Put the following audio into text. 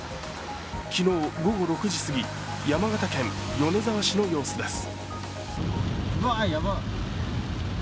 昨日午後６時過ぎ、山形県米沢市の様子です。